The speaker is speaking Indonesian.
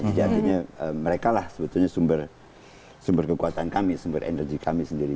jadi artinya mereka lah sebetulnya sumber kekuatan kami sumber energi kami sendiri